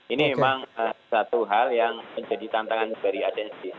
ini memang satu hal yang menjadi tantangan dari atensif